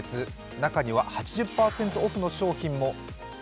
中には８０％オフの商品も。